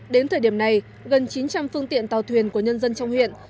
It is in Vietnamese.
đến thời điểm này gần chín trăm linh phương tiện tàu thuyền của nhân dân trong huyện